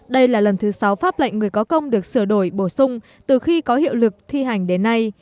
đây là lần thứ sáu pháp lệnh người có công được sửa đổi bổ sung từ khi có hiệu lực thi hành đến nay